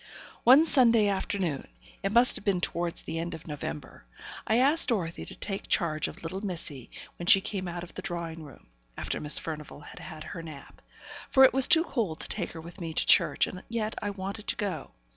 One Sunday afternoon it must have been towards the end of November I asked Dorothy to take charge of little missy when she came out of the drawing room, after Miss Furnivall had had her nap; for it was too cold to take her with me to church, and yet I wanted to go.